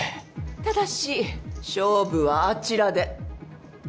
ただし勝負はあちらで。